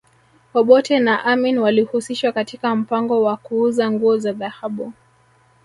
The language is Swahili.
Obote na Amin walihusishwa katika mpango wa kuuza nguo za dhahabu